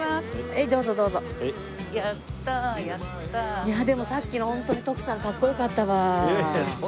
いやでもさっきのホントに徳さんかっこよかったわ。